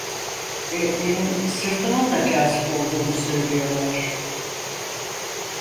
Ve benim sırtımın da cazip olduğunu söylüyorlar…